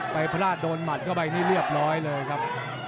ไปพระราชโดนหมัดก็ไปนี้เรียบร้อยเลยครับ